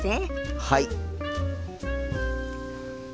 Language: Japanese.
はい！